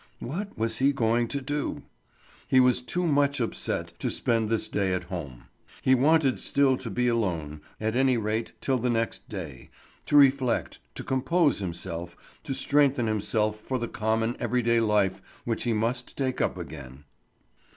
What was he going to do? He was too much upset to spend this day at home. He wanted still to be alone, at any rate till the next day, to reflect, to compose himself, to strengthen himself for the common every day life which he must take up again.